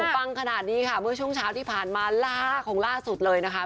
ปังขนาดนี้ค่ะเมื่อช่วงเช้าที่ผ่านมาล่าของล่าสุดเลยนะคะ